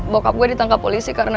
bokap gue ditangkap polisi karena